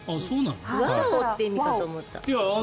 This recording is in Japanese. ワオ！って意味かと思った。